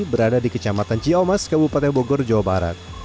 berada di kecamatan ciomas kabupaten bogor jawa barat